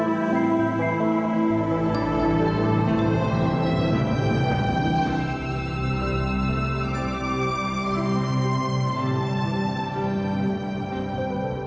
การใช้ปามกันบริสุทธิ์เป็นน้ำมันเชื้อเพลิงเครื่องยนต์ดีเซลของพระองค์ได้รับการจดศิษย์ธิบัตรเมื่อปี๒๕๔๔